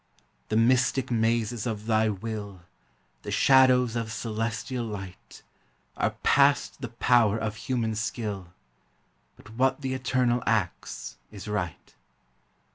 The mystic mazes of thv will, The shadows of celestial light, Are past the power of human skill ; But what the Eternal acts is right.